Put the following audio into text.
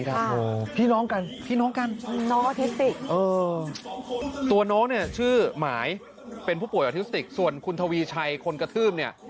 เห็ดน้ำหนาบนายคนผู้ตลึงคาเฟ่